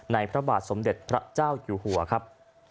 พระบาทสมเด็จพระเจ้าอยู่หัวครับ